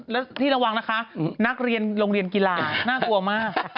แล้วที่ระวังนะคะนักเรียนโรงเรียนกีฬาน่ากลัวมาก